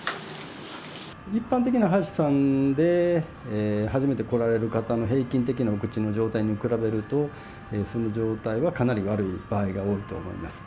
一般的な歯医者さんで初めて来られる方の平均的なお口の状態に比べると、その状態はかなり悪い場合が多いと思います。